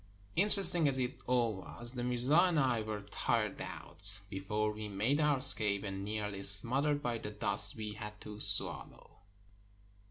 Interesting as it all was, the mirza and I were tired out before we made our escape, and nearly smothered by the dust we had to swallow.